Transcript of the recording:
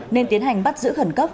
nên tiến hành bắt giữ khẩn cấp